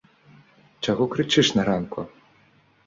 Чаго крычыш на ранку?